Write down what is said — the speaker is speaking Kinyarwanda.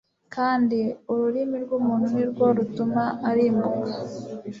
kandi ururimi rw'umuntu ni rwo rutuma arimbuka